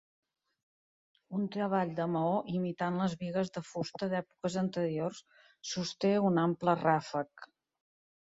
Un treball de maó imitant les bigues de fusta d'èpoques anteriors sosté un ample ràfec.